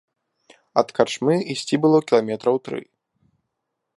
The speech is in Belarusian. Ад карчмы ісці было кіламетраў тры.